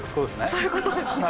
そういうことですね。